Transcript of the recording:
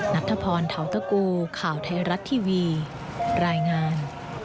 นัทธพรเทาตะกูข่าวไทยรัฐทีวีรายงาน